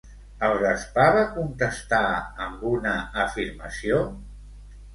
El Gaspar va contestar amb una afirmació?